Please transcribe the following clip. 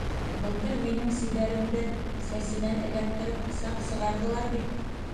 Былтыр минең Сибәремде сәсенән эләктереп саҡ сығарҙылар бит.